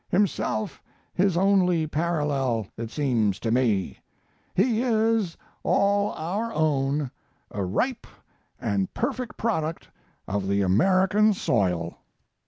Himself his only parallel, it seems to me. He is all our own a ripe and perfect product of the American soil."